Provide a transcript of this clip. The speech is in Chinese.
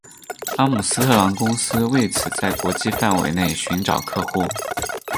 阿姆斯特朗公司为此在国际范围内寻找客户。